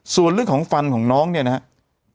ส่วนเรื่องของฟันของน้องเนี่ยนะครับ